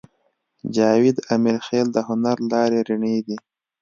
جاوید امیرخېل د هنر لارې رڼې دي